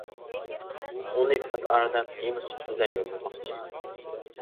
ئۇنى پات ئارىدا تېما سۈپىتىدە يوللىماقچى.